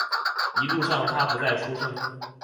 一路上他不再出声